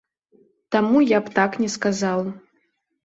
Таму я б так не сказаў.